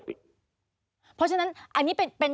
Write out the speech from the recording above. เพราะฉะนั้นอันนี้เป็น